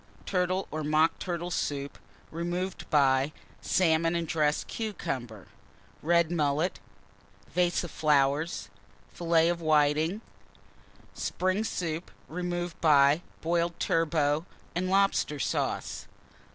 _ Turtle or Mock Turtle Soup, removed by Salmon and dressed Cucumber. Red Mullet. Vase of Filets of Whitings. Flowers. Spring Soup, removed by Boiled Turbot and Lobster Sauce.